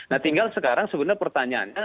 nah tinggal sekarang sebenarnya pertanyaannya